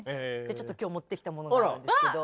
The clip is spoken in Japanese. ちょっと今日持ってきたものがあるんですけど。